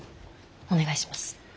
お願いします。